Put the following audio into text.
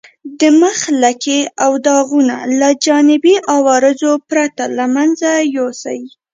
د مخ لکې او داغونه له جانبي عوارضو پرته له منځه یوسئ.